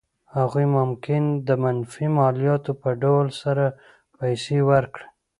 هغوی ممکن د منفي مالیاتو په ډول سره پیسې ورکړي.